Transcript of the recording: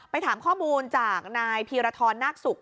ถามข้อมูลจากนายพีรทรนาคศุกร์